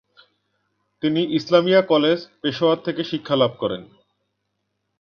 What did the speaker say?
তিনি ইসলামিয়া কলেজ, পেশোয়ার থেকে শিক্ষা লাভ করেন।